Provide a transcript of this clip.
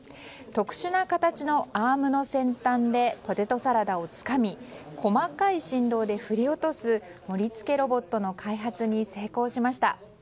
特殊な形のアームの先端でポテトサラダをつかみ細かい振動で振り落す盛り付けロボットの開発に成功しました。